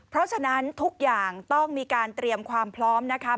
เพราะฉะนั้นทุกอย่างต้องมีการเตรียมความพร้อมนะคะ